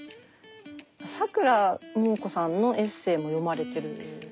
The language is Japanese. さくらももこさんのエッセーも読まれてるんですね。